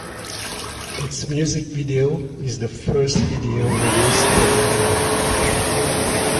Its music video is the first video released for the album.